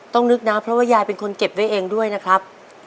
นึกนะเพราะว่ายายเป็นคนเก็บไว้เองด้วยนะครับ